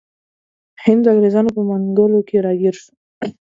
هند د انګریزانو په منګولو کې راګیر شو.